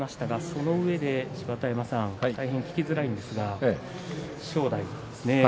そのうえで芝田山さん聞きづらいんですが正代ですね